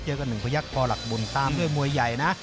หนึ่งพยักษ์พอหลักบุญตามด้วยมวยใหญ่นะ